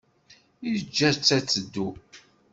Teǧǧa-tt ad teddu.